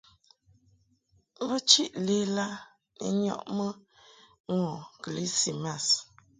Bo chiʼ lela ni nyɔʼmɨ ŋu kɨlismas.